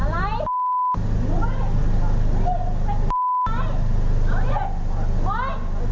อะไรอ่ะ